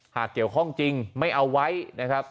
หากเกี่ยวข้องจริงไม่เอาไว้นะครับ